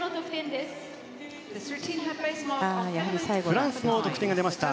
フランスの得点が出ました。